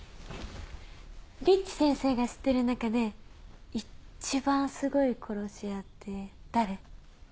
ビッチ先生が知ってる中で一番すごい殺し屋って誰？